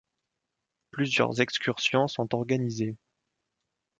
Plusieurs excursions sont organisées.